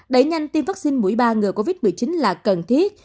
đẩy nhanh tiêm vaccine mũi ba ngừa covid một mươi chín là cần thiết